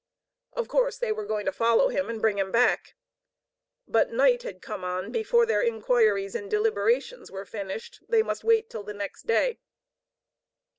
Of course they were going to follow him and bring him back. But night had come on before their inquiries and deliberations were finished. They must wait till the next day.